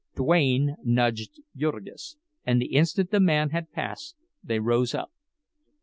Duane nudged Jurgis, and the instant the man had passed they rose up.